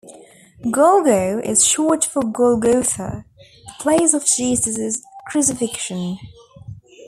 "Golgo" is short for Golgotha, the place of Jesus' crucifixion.